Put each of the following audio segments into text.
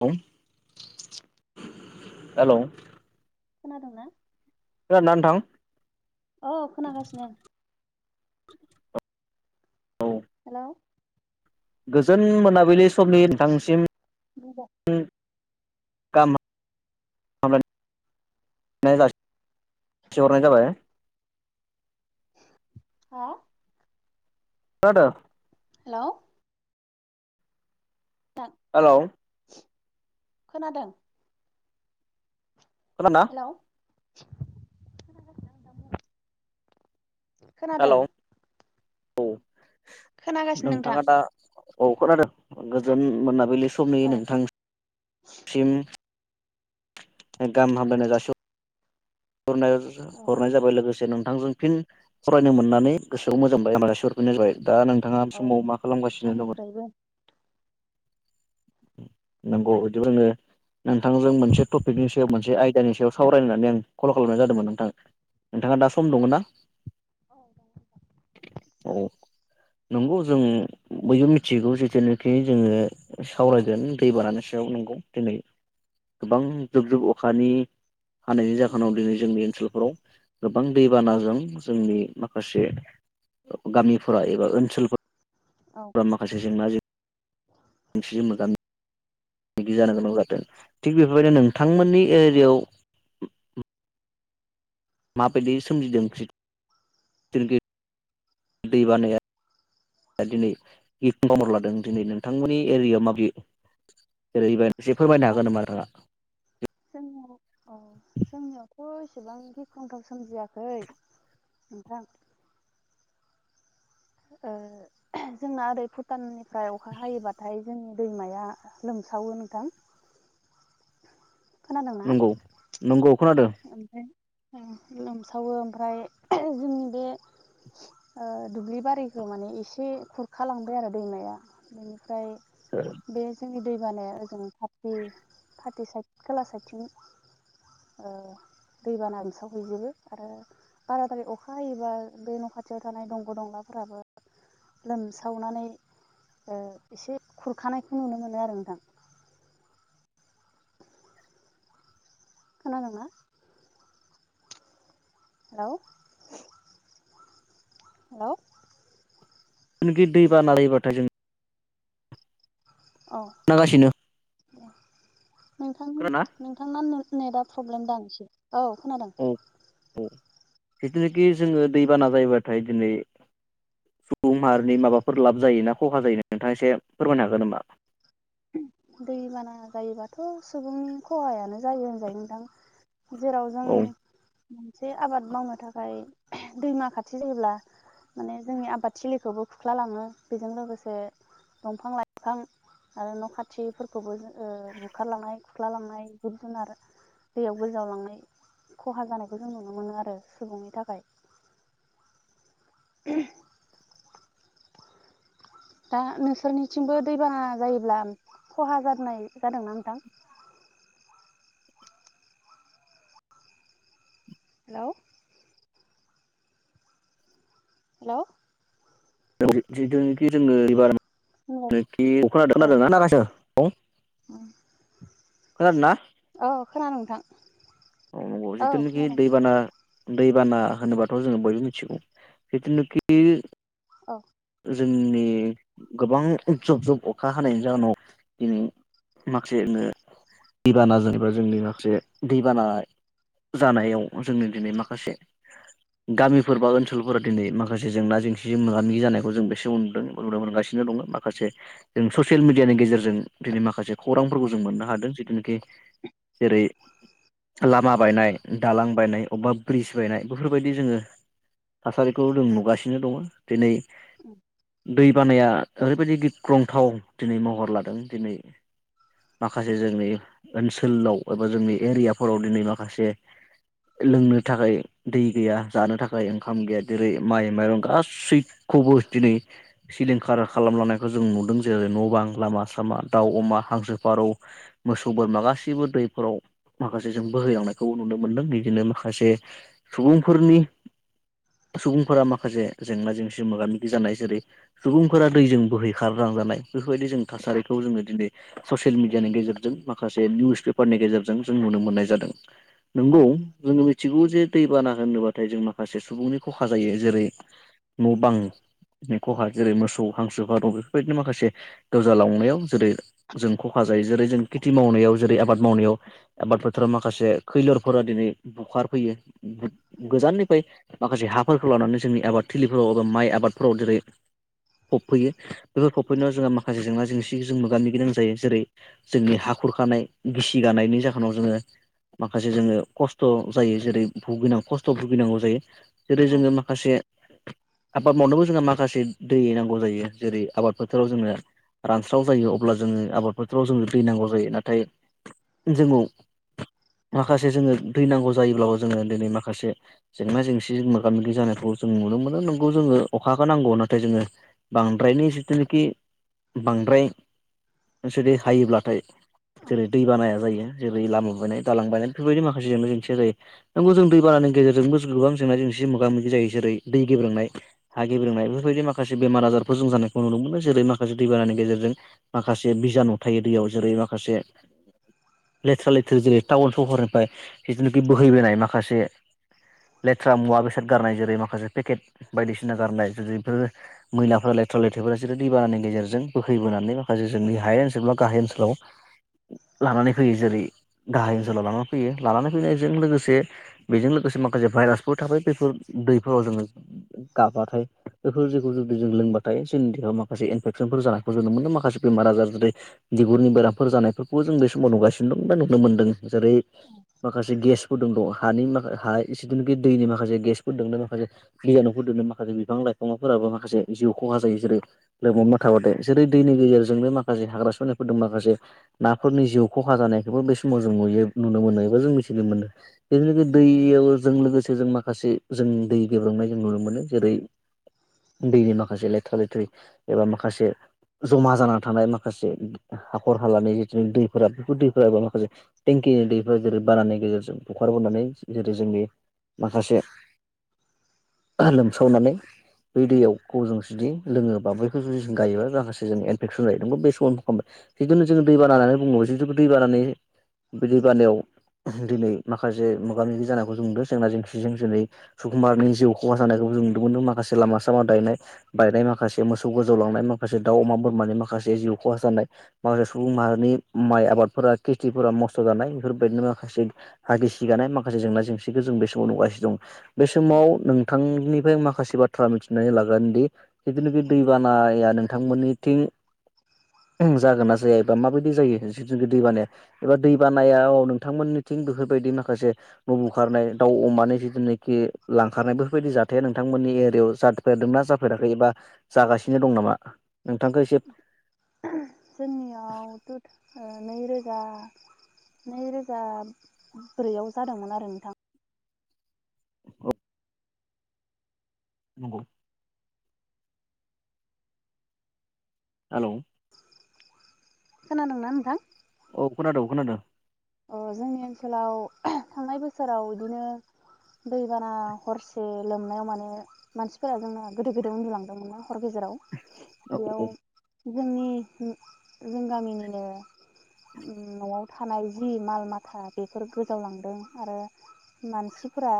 [unintelligible] Hello खोनादोंंना? खोनादोना नोंथां? अ खोनाखासिनो आं औ हेलौ गोजोन मोनाबिलि समनि नोंथांसिम बुंदो उम गाहाम [unintelligible] नाय जाससिहरनाय जाबाय हा? खोनादों? हेलौ हेलौ [unintelligible] खोनादों खोनाना? हेलौ हेलौ खोनादों औ खोनागासिनो नोंथां नोंथाङा दा औ खोनादों गोजोन मोनाबलि समनि औ नोंथांसिम ए गाहाम हमलायनाय जासिह हरनाय [unintelligible] जा औ हरनाय जाबाय लोगोसे नोंथां जों फिन सावरायनो मोननानै गोसोआव मोज [unintelligible] जाबाय दा नोंथाङा बे औ समाव मा खालामगासिनो दंङ'? आंनिफ्रायबो नंगौ इदिबो रोंङो नोंथांजों मोनसे टपिकनि सायाव मोनसे आयदानि सायाव सावरायनानै आं कल खालामनाय जादोंमोन नोंथां। नोंथाङा दा सम दङ' ना? औ [unintelligible] नंगौ जों बयबो मिथिगौ जेथेनाखि जोङो सावरायगोन दै बानानोस सोआव नंगौ दिनै गोबां जुब जुब अखानि हानाय ज होनाव दिनै जोंनि ओनसोलफोराव गोबां दैबानाजों जोंनि माखासे ओ गामिफोराव एबा ओनसोल औ माखासे जेंना जो [unintelligible] मोगा मोगि जानो गोनां जादों थिग बेफोरबायदिनो नों थांमोननि औ एरियायाव उम माबायदि सोमजिदों [unintelligible] जोंखै दै बानाया ओ दिनै [unintelligible] लादों दिनै नोंथांमोननि एरियायाव माबदि जेरैबायदिससे फोरमायनो औ हागोन नामा नोंथांङा? जोंनियाव औ [inaudible] जोंनियावथ' एसेबां गिख्रंथाव सोमजियाखै नोंथां ओ जोंना ओरै भुटाननिफ्राय अखा हायोबाथाय जोंनि दैमाया लोमसावो नोंथां। नंगौ नंगौ खोनादों। ओमफाय ओ लोमसावो ओमफ्राय [unintelligible] जोंनि बे ओ दुब्लि बारिखौ माने एसे खुरखालांबाय आरो दैमाया। बेनि ओमफ्राय बे जोंनि दैबानाया ओजों पाति पाति साइद खोला साइदथिं ओ दैबाना लोमसावहैजोबो। आरो बाराद्राय अखा हायोबा बे न' खाथियाव थानाय दंग' दंला फोराबो लोमसावनानै ओ एसे खुरखानायखौ नुनो मोनो आरो नोंथा। खोनादोंना? हेलौ। हेलौ। जानोखि दैबाना जायोबाथाय जों औ नागासिनो नोंथां नोंथांना नेट-नेटा प्रब्लेम दां एसे औ खोनादों। औ औ जिथुनाखि जोङो दैबाना जायोबाथाय दिनै सुबुं माहारिनि माबाफोर लाब जायोना खहा जायो नोंथाङा एसे फोरमायनो हागोन नामा? दैबाना जायोबाथ' सुबुंनि खहायानो जायो होनजायो नोंथां। जेराव जों औ मोनसे आबाद मावनो थाखाय दैमा खाथि जायोब्ला माने जोंनि आबादथिलिखौबो खुरख्लालाङो। बेजों लोगोसे दंफां लाइफां आरो न' खाथिफोरखौबो ओ बुखारलांनाय खुख्लालांनाय जिब जुनार दैयाव गोजाव लांनाय खहा जानायखौ जों नुनो मोनो आरो सुबुंनि थाखाय। [inaudible] [inaudible] दा नोंसोरनिथिंबो दैबाना जायोब्ला खहा जानाय जादोंना नोंथां? [inaudible] हेलौ। हेलौ। [unintelligible] जिथुनोखि जोङो एबार नोखि [unintelligible] अखा [unintelligible] खोनादोंना औ [unintelligible] खोनागासिनो। खोनादों ना? औ खोनादों नोंथां औ नंगौ औ जिथुनाखि खोनादों दैबाना दैबाना होनोबाथ' जोङो बयबो मिथिगौ। जिथुनाखि औ। जोंनि गोबां जुब जुब अखा हानायनि जाहोनाव दिनै माखासेनो दैबाना जेनेबा जोंनि माखासे दैबाना जानायाव जोंनि दिनै माखासे गामिफोर बा ओनसोलफोरा दिनै माखासे जेंना जेंसिजों मोगा मोगि जानायखौ जों बेसे नुदों नुदों मोनगासि नो दङो। माखासे जों ससियेल मिडियानि गेजेरजों दिनै माखासे खौरांफोरखौ जों मोननो हादों। जेथुना खि। जेरै लामा बायनाय दालां बायनाय अबेबा ब्रिज बायनाय बेफोरबायदि जोङो थासारिखौ जों नुगासिनो दङो। दिनै उम। दै बानाया ओरैबायदि गिख्रंथाव दिनै महर लादों दिनै माखासे जोंनि ओनसोलाव एबा जोंनि एरियाफोराव दिनै माखासे लोंनो थाखाय दै गैया जानो थाखाय ओंखाम गैया। जेरै माइ माइरं गासै खौबो दिनै सिलिंखार खालामलानायखौ जों नुदों। जेरै न' बां, लामा सामा, दाउ, अमा, हांसो, फारौ, मोसौ, बोरमा गा सिबो दैफोराव माखासे जों बोहैलांनायखौ नुनो मोनदों। बिदिनो माखासे सुबुंफोर नि सुबुंफोरा माखासे जेंना जेंसि मोगा मोगि जानाय जेरै सुबुं फोरा दैजों बोहैखारलांजानाय बेफोरबायदि जों थासारिखौ जोङो दिनै ससियेल मिडियानि गेजेरजों माखासे निउस पेपारनि गेजेरजों जों नुनो मोननाय जादों। औ नंगौ जोङो मिथिगौ औ जे दैबाना होनोबा थाय जों माखासे सुबुंनि खहा जायो। जेरै न' बांनि खहा जेरै मोसौ हांसो फारौ बेफोरबायदि माखासे गोजालांनायाव जेरै जों खखा जायो जेरै जों खेथि मावनाय याव जेरै आबाद मावनायाव आबाद औ फोथाराव माखासे खैलोरफोरा दिनै बुखार फैयो जोंनियाव गोजाननिफ्राय माखासे हाफ फोरखौ लानानै जोंनि आबाद थिलिफोराव एबा माइ आबादफोराव जेरै फबफैयो बेफोर फबफैनायाव जोंहा माखासे जेंना जेंसिजों मोग मोगिनां जायो। जेरै जोंनि हाखुरखानाय गिसि गानायनि जाहोनाव जोङो माखासे जोङो खस्थ' जायो जेरै भुगिनां खस्थ' भुगिनांगौ जायो। जेरै जोङो माखासे आबाद मावनांगौ जोंहा माखासे दै नांगौ जायो जेरै आबाद फोथाराव जोंनो रानस्राव जायो अब्ला जोङो आबाद फोथोराव जों दै नांगौ जायो। नाथाय जोङोव माखासे जोङो दै नांगौ जायोब्लाबो जोङो दिनै माखासे जेंना जेंसि मोगा मोगि जानायखौ जोङो नुनो मोनो नंगौ जोङो अखाखौ नांगौ नाथ थाय जोङो बांद्रायनि जिथुनुकि बांद्राय जुदि हायोब्लाथाय जेरै दै बानाया जायो। जेरै लामा बायनाय दालां बायनाय बेफोरबायदि माखासे जेंना जेंसिया जायो नोंगौ जों दै बानानि गेजेरजोंबो गोबां जेंना जेंसि मोगा मोगि जायो जेरै दै गेब्रेंनाय हा गेब्रेंनायबो बेबायदि माखासे बेमार आजारफोर जों जानायखौ नुनो मोनो जेरै माखासे दैबानानि गेजेरजों माखासे बिजानु थायो दैयाव जेरै माखासे लेथ्रा लेथ्रि जेरै टाउन सहरनिफ्राय जिथुनिखि बोहैबोनाय माखासे लेथ्रा मुवा बेसाद गारनाय जेरै माखासे पेकेट बायदिसिना गारनाय जेरै ओ बेफोर मैलाफोरा लेथ्रा लेथ्रिफोरा बिसोरो दैबानानि गेजेरजों बोहैबोनानै माखासे जोंनि हायेन ओनसोला [unintelligible] गाहाय ओनसोलाव लानानै फैयो जेरै गाहाय ओनसोलाव लानानै फैयो लानानैै फैनायजों लोगोसे बेजों लोगोसे माखासे भाइरासफोर थाफायो बेफोर दैफोराव जोङो गाब बाथाय बेफोर जेखौ जुदि जों लोंबाथाय जोंनि देहायाव माखासे इनफेकसनफोर जानायखौ जोंनो मोनो माखासे बेमार आजार जेरै बिगुरनि बेरामफोर जानायफोरखौबो जों बे समाव नुगासिनो दं बा नुनो मोन्दों। जेरै माखासे गेसफोर दों दङ। हानि माख हा इसुखिनि दैनि माखासे गेसफोर दोङो। माखासे बिजानुफोर दोङो। माखासे बिफां लाइ अमाफोराबो माखासे जिउ खहा जायो जेरै लोमहर म थाबादो जेरै दैनि गेजेरजोंनो माखासे हाग्रा सुनाय फोर दं माखासे नाफोरनि जिउ खहा जानायखौबो बे समाव जों नुयो नुनो मोनो एबा जों मिथिनो मोनो। बे [unintelligible] दैयाव जों लोगोसे जों माखासे जों दै गेब्रेंनाय जों नुनो मोनो जेरै दैनि माखासे लेथ्रा लेथ्रि एबा माखासे जमा जानानानै थानाय माखासे हाखर हालानि जेथुनेखि दैफोरा बेफोर दैफोराबा माखासेे टेंकि किनि दैफोरा जेरै बानानि गेजेरजों बुखारबोनानै जेरै जोंनि माखासे लोमसावनानै बै दैयाव कजों जुदि लोङो बा बैखौ जुदि जों गायोबाय माखासे जों इनफेकसन जायो नंगौ बे सम खालामबाय जिदुनो जोङो दैबाना होननानै बुङो जिदु दै दै बानानि बि दै बानायाव दिनै माखासे मोगा मोगि जानायखौ जों नुदो। जेंना जेंसिजों दिनै सुबुंमाहारिनि जिउ खहा जानायखौ नुनो मोनदोंमोन माखासे लामा लामा दायनाय बायनाय माखासे मोसौ गोजौ लांनाय माखासे दाउ अमा बोरमानि माखासे जिउ खहा जानाय माखासे सुबुं माहारिनि माइ आबादफोरा खेथिफोरा नस्थ' जानाय बेफोरबायदिनो माखासे हागि सिगानाय माखासे जेंना जेंसिखौ जों बे समाव नुगासिनो दं बे समाव नोंथांनि। बेफ्राय माखासे बाथ्रा मिथिं। सुनानै लागोन दि जिथुनाखि दै बानाया नोंथांमोननिथिं। उ जागोन ना जाया एबा माबायदि जायो जिथुखि दै बानाया एबा दै बानायाव नोंथांमोननि। थिं बेफोरबायदि माखासे न' बुखारनाय दाउ अमानि जिथुनोखि लांखारनाय बेफोरबायदि जाथाया नोंथांमोन। मोननि एरियायाव जाफेरदोंना जाफेराखै एबा जागासिनो दं नामा? नोंथांखौ एसे जोंनि आवथु ओ नैरोजा नैरोजा ब्रैआव जादोंमोन आरो नोंथां। नंगौ। हेलौ खोनादोंना नोंथां? औ खोनादो खोनादो। ओ जोंनि ओनसोलाव थांनाय बोसोराव इदिनो दैबाना हरसे लोमनायाव माने मानसिफोरा जोंना गोदो गोदो उन्दुलांदोंमोना। हर गेजेराव औ औ बेयाव जोंनि जों गामिनिनो उ न'आव थानाय जि माल माथा बेफोर गोजावलांदों आरो मानसिफोरा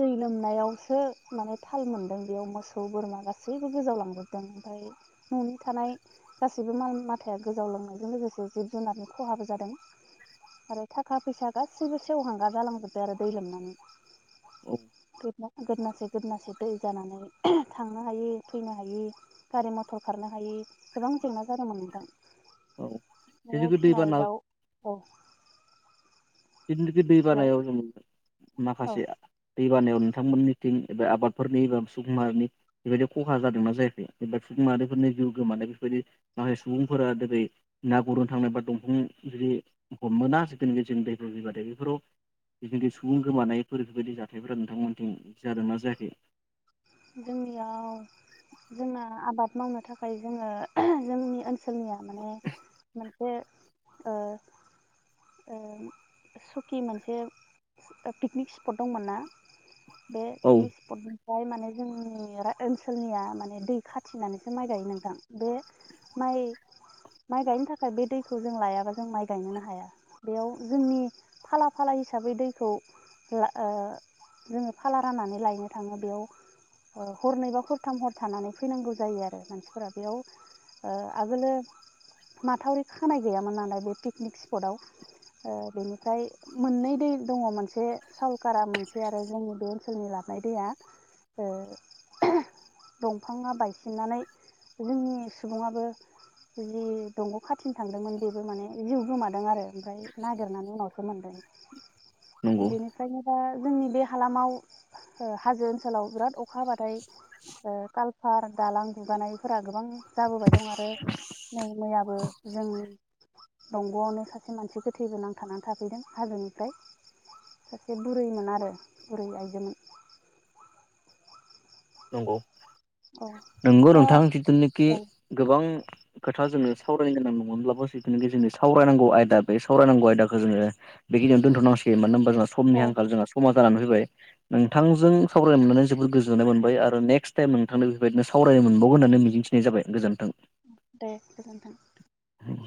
दै लोमनायावसो माने थाल मोन्दों बेयाव मोसौ बोरमा गासैबो गोजावलांजोबदों ओमफा फाय न'नि थानाय गासैबो माल मथाया गोजाव लोंनायजों लोगोसे जिब जुनारनि खहाबो जादों। [inaudible] आरो थाखा फैसा गासैबो सेवहांगार जालांजोबबाय आरो दै लोमनानै। औ [unintelligible] गोदनासे गोदनासे दै जानानै थांनो हायि फैनो हायि गारि मथर खारनो हायि गोबां जेंना जादोंमोन नोंथां। औ न'आव जिथुखि फिसिनाय दैबाना दाउ औ। बिदिनो दै हेलौ बानायाव जों औ माखासे दै बानायाव नोंथांमोनिथिं एबा आबादफोरनि एबा सुकुमारनि बेबायदि खहा जादोंना जायाखै एबा सुकुमा [unintelligible] फोरनि जिउ गोमानाय बेफोरबायदि माखासे सुबुंफोरा जेरै ना गुरनो थांनाय बा दंफां जुदि हमोना जिखुनखि जों दैब बिबाद बेफोराव बिखनिखि सुबुं गोमानायफोर बेफोरबायदि जाथायफोरा नोंथांमोनथिं जादों ना जायाखै? जोंनियाव जोंना आबाद मावनो थाखाय जोङो जोंनि ओन जोंनिया माने मोन [inaudible] ओ सकि मोनसे ओ पिकनिक स्पट दंमोन ना। बे औ पिकनिक स्पट निफ्राय माने जोंनि रा ओनसोलनिया माने दै खाथिनानैसो माइ गायो नोंथां। बे माइ माइ गायनो थाखाय बे दैखौ जों लायाबा जों माइ गायनोनो हाया बेयाव जोंनि फाला फालाय हिसाबै दैखौ ला ओ जोङो फाला राननानै लायनो थाङो बेयाव ओ हरनैबा खरथाम हर थानानै फैनांगौ जायो आरो मानसिफोरा बेयाव ओ आगोलो माथावरि खानाय गैयामोन नालाय बे पिकनिक स्पटआव। ओ बेनिफाय मोननै दै दङ मोनसे सालकारा मोनसे आरो जोंनि बे ओनसोलनि ला नाय दैआ। [inaudible] दंफाङा बायसिननानै जोंनि सुबुङाबो जि दंग' खाथिनो थांदोंमोन बेबो माने जिउ गोमादों आरो ओमफ्राय नागिरनानै उनावसो मोनदों। नंगौ बेनिफ्रायनो दा जोंनि बे हालामाव ओ हाजो ओनसोलाव बिराद अखा हाबाथाय ओ कालफार दालां दुगानायफोरा गोबां जाबोबाय दं आरो। नै मैयाबो जोंनि दंग'आवनो सासे मानसि गोथैबो नांथानानै थाफैदों हाजोनिफ्राय। सासे बुरैमोन आरो बुरै आइजोमोन। नंगौ औ नंगौ दा नोंथां जिथुनाखि औ गोबां खोथा जोङो सावरायनो गोनां नङामोनब्लाबो जिथुनाखि जोंनि सावरायनांगौ आयदा बे सावरायनांगौ आयदाखो जोङो बेखिनियाव दोनथ'नांसिगोन मानो होन बा जोंहा समनि औ आंखाल जोंहा समा जानानै फैबाय नोंथांजों सावरायनो मोननानै जोबोद गोजोननाय मोन बाय आरो नेक्स्ट टाइम नोंथांदो बेफोरबायदिनो सावरायनो मोनबावगोन होननानै मिजिंथिनाय जाबाय गोजोन्थों। दे गोजोनथों। उम।